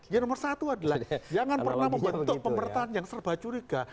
yang nomor satu adalah jangan pernah membentuk pemerintahan yang serba curiga